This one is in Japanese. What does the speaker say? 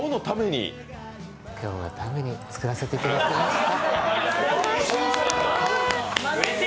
今日のために作らせていただきました。